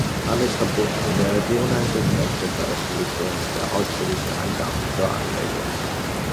Damit verbunden wäre die uneingeschränkte Veröffentlichung der ausführlichen Angaben zur Anmeldung.